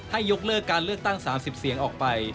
ยกเลิกการเลือกตั้ง๓๐เสียงออกไป